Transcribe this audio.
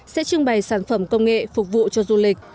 sẽ trưng bày sản phẩm công nghệ phục vụ cho du lịch